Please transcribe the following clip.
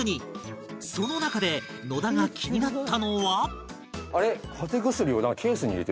その中で野田が気になったのは